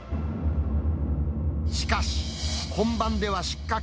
しかし、本番では失格。